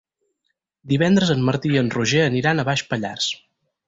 Divendres en Martí i en Roger aniran a Baix Pallars.